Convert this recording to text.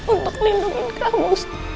untuk lindungin kamu